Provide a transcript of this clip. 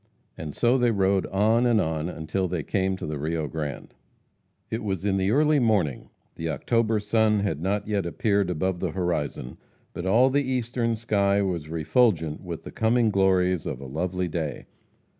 And so they rode on and on until they came to the Rio Grande. It was in the early morning. The October sun had not yet appeared above the horizon, but all the eastern sky was refulgent with the coming glories of a lovely day.